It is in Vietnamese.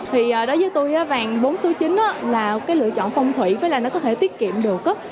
thì đối với tôi vàng bốn số chín là cái lựa chọn phong thủy với là nó có thể tiết kiệm được